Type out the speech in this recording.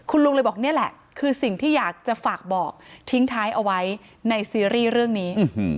คุณลุงเลยบอกนี่แหละคือสิ่งที่อยากจะฝากบอกทิ้งท้ายเอาไว้ในซีรีส์เรื่องนี้